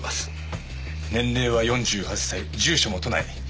年齢は４８歳住所も都内。